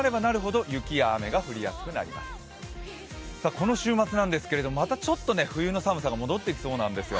この週末なんですけど、またちょっと冬の寒さが戻ってきそうなんですよ。